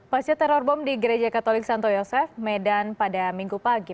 pasca teror bom di gereja katolik santo yosef medan pada minggu pagi